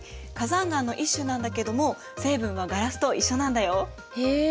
火山岩の一種なんだけども成分はガラスと一緒なんだよ。へえ。